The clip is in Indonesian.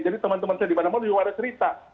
jadi teman teman saya di badan pom juga ada cerita